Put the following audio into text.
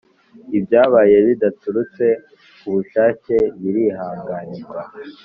Ibyabaye bidaturutse ku bushake birihanganirwa